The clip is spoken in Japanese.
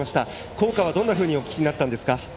校歌はどんなふうにお聞きになったんですか？